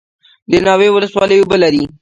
د ناوې ولسوالۍ اوبه لري